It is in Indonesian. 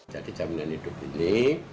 jadi jaminan hidup ini